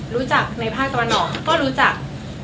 รู้จักในภาคตะวันออกก็รู้จัก